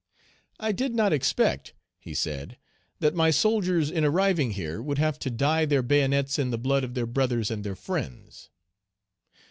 "I did not expect," he said, "that my soldiers in arriving here would have to dye their bayonets in the blood of their brothers and their friends."